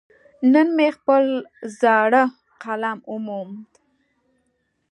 نن مې خپل زاړه قلم وموند.